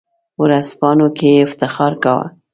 په ورځپاڼو کې یې افتخار کاوه.